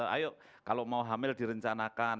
ayo kalau mau hamil direncanakan